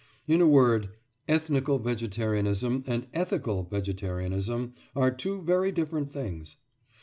In a word, ethnical vegetarianism and ethical vegetarianism are two very different things.